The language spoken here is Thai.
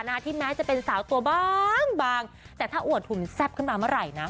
ที่แม้จะเป็นสาวตัวบางบางแต่ถ้าอวดหุ่นแซ่บขึ้นมาเมื่อไหร่นะ